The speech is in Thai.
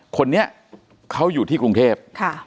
คนนี้เขาอยู่ที่กรุงเทพ